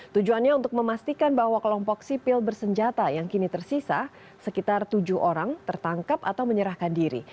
tujuannya untuk memastikan bahwa kelompok sipil bersenjata yang kini tersisa sekitar tujuh orang tertangkap atau menyerahkan diri